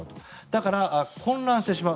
だから混乱してしまう。